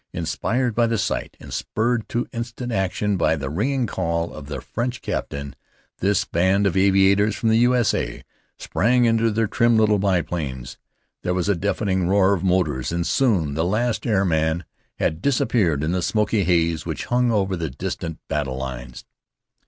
Inspired by the sight, and spurred to instant action by the ringing call of their French captain, this band of aviators from the U.S.A. sprang into their trim little biplanes. There was a deafening roar of motors, and soon the last airman had disappeared in the smoky haze which hung over the distant battle lines.